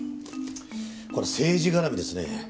これ政治絡みですね。